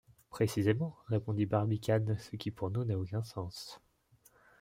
Précisément, répondit Barbicane, ce qui pour nous n’a aucun sens.